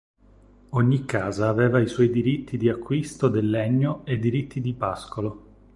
Ogni casa aveva i suoi diritti di acquisto del legno e diritti di pascolo.